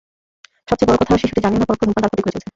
সবচেয়ে বড় কথা শিশুটি জানেও না পরোক্ষ ধূমপান তার ক্ষতি করে চলছে।